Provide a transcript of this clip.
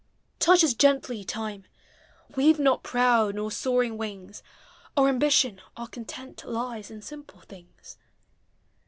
Touch us gently. Time! We \e not proud nor soaring wings: Our ambition, our content, Lies in simple things.